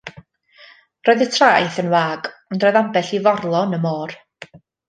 Roedd y traeth yn wag, ond roedd ambell i forlo yn y môr.